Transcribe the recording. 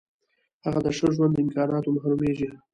هغه د ښه ژوند له امکاناتو محرومیږي.